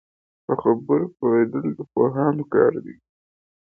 په خبرو پوهېدل د پوهانو کار دی